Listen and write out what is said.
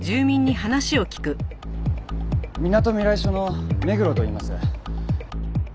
みなとみらい署の目黒といいます。